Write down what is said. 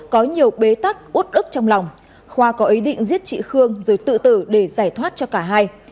có nhiều bế tắc út ức trong lòng khoa có ý định giết chị khương rồi tự tử để giải thoát cho cả hai